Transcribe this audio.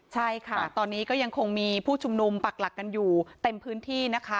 ใช่ค่ะตอนนี้ก็ยังคงมีผู้ชุมนุมปักหลักกันอยู่เต็มพื้นที่นะคะ